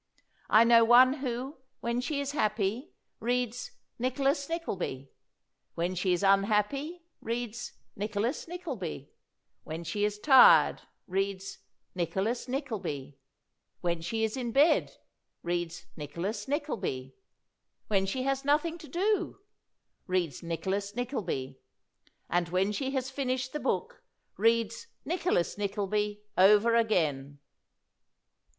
I know one who, when she is happy, reads "Nicholas Nickleby"; when she is un happy, reads "Nicholas Nickleby"; when she is tired, reads "Nicholas Nickleby"; when she is in bed, reads "Nicholas Nickleby"; when she has nothing to do, reads "Nicholas Nickleby"; and when she has finished the book, reads "Nicholas Nickleby" over again.